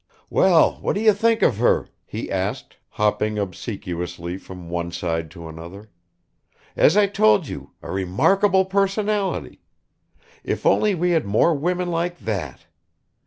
"Well, what do you think of her?" he asked, hopping obsequiously from one side to another. "As I told you, a remarkable personality! If only we had more women like that!